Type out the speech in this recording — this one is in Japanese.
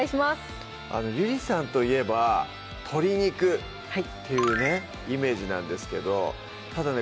ゆりさんといえば鶏肉っていうねイメージなんですけどただね